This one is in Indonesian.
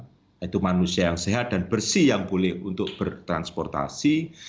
yaitu manusia yang sehat dan bersih yang boleh untuk bertransportasi